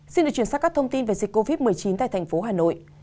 xin được chuyển sang các thông tin về dịch covid một mươi chín tại thành phố hà nội